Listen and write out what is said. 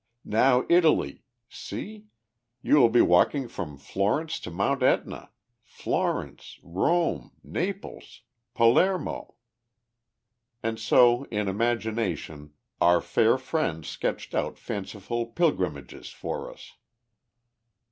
Now Italy see! you will be walking from Florence to Mount Etna Florence, Rome, Naples, Palermo." And so in imagination our fair friend sketched out fanciful pilgrimages for us.